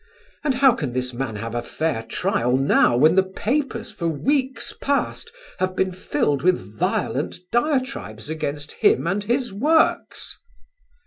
And how can this man have a fair trial now when the papers for weeks past have been filled with violent diatribes against him and his works?"